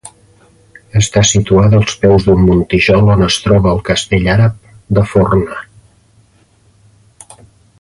Està situada als peus d'un muntijol on es troba el castell àrab de Forna.